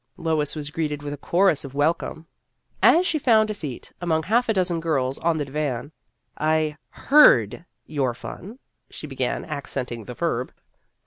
Lois was greeted with a chorus of welcome. As she found a seat among half a dozen girls on the divan, " I heard your fun," she began, accenting the verb.